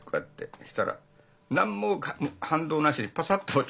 そしたら何も反応なしにパサッと置くわけ。